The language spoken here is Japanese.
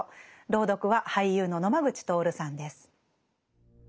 朗読は俳優の野間口徹さんです。